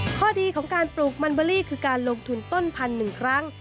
ข้อดีของการปลูกมันเบอรี่คือการลงทุนต้นพันหนึ่งครั้ง